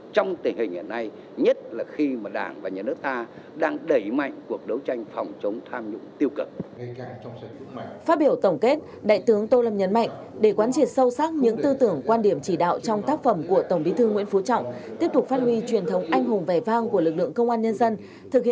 trong tình hình hiện nay nhất là khi mà đảng và nhà nước ta đang đẩy mạnh cuộc đấu tranh phòng chống tham nhũng tiêu cực